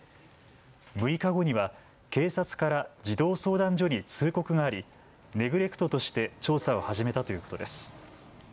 ６日後には警察から児童相談所に通告があり、ネグレクトとして調査を始めたということです。